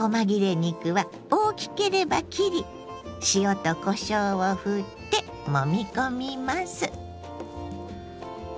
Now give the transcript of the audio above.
肉は大きければ切り塩とこしょうをふってもみ込みます。